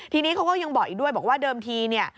ทีนี้เขาก็ยังบอกอีกด้วยบอกว่าเดิมทีเนี่ย